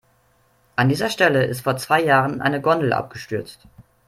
An dieser Stelle ist vor zwei Jahren eine Gondel abgestürzt.